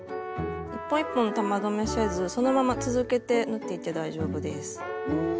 一本一本玉留めせずそのまま続けて縫っていって大丈夫です。